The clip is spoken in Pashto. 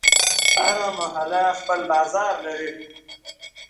هره محله خپل بازار لري.